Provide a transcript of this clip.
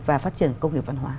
và phát triển công nghiệp văn hóa